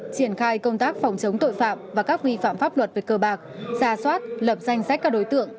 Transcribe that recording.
triển khai công tác phòng chống tội phạm và các vi phạm pháp luật về cơ bạc gia soát lập danh sách các đối tượng